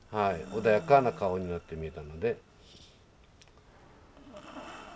穏やかな顔になってみえたので。